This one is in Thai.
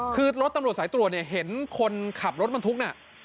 คือรถตำรวจสายตรวจเนี่ยเห็นคนขับรถบรรทุกน่ะ